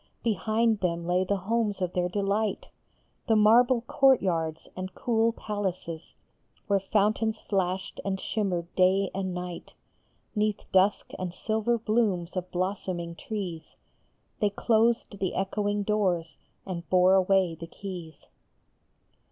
Behind them lay the homes of their delight, The marble courtyards and cool palaces, Where fountains flashed and shimmered day and night Neath dusk and silver blooms of blossoming trees. They closed the echoing doors, and bore away the keys.